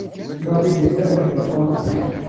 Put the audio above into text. David iserreḥ deg tefṛansist.